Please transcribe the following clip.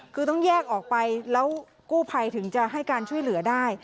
คือต้องแยกออกไปแล้วกู้ภัยถึงจะให้การช่วยเหลือได้